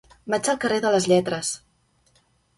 Vaig al carrer de les Lletres.